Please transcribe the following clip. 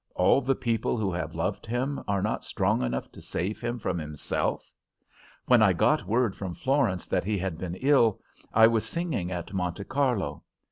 All the people who have loved him are not strong enough to save him from himself! When I got word from Florence that he had been ill, I was singing at Monte Carlo.